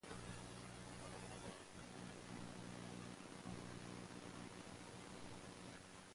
The main presenters are Danny Norton and Randy Jones.